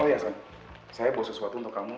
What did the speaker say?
oh iya saya bawa sesuatu untuk kamu